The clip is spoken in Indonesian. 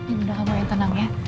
ini udah lama yang tenang ya